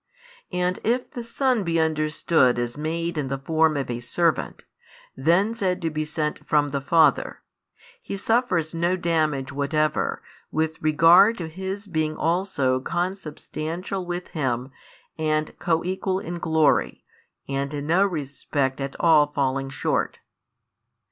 And if the Son be understood as made in the form of a servant, then said to be sent from the Father, He suffers no damage whatever, with regard to His being also Consubstantial with Him and Coequal in glory and in no respect at all falling short.